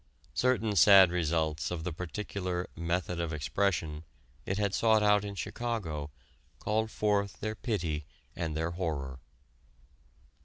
Certain sad results of the particular "method of expression" it had sought out in Chicago called forth their pity and their horror.